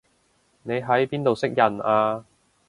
你喺邊度識人啊